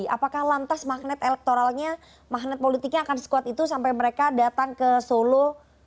apakah lantas magnet elektoralnya magnet politiknya akan sekuat itu sampai mereka datang ke solo